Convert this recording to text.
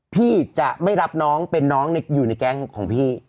พี่จะไม่รับน้องเป็นน้องอยู่ในแก๊งของพี่